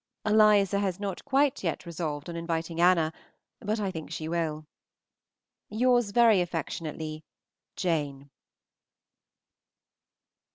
Eliza has not yet quite resolved on inviting Anna, but I think she will. Yours very affectionately, JANE.